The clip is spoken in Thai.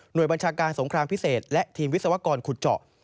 โดยบัญชาการสงครามพิเศษและทีมวิศวกรขุดเจาะ